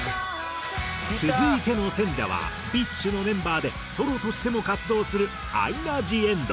続いての選者はＢｉＳＨのメンバーでソロとしても活動するアイナ・ジ・エンド。